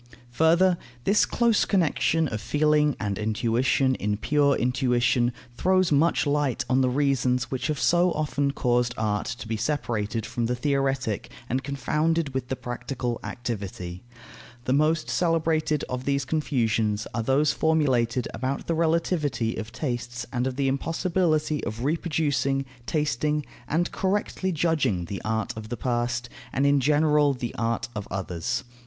Further, this close connection of feeling and intuition in pure intuition throws much light on the reasons which have so often caused art to be separated from the theoretic and confounded with the practical activity. The most celebrated of these confusions are those formulated about the relativity of tastes and of the impossibility of reproducing, tasting, and correctly judging the art of the past, and in general the art of others.